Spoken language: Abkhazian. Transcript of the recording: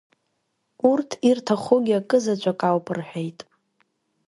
Урҭ ирҭахугьы акызаҵәык ауп, рҳәеит…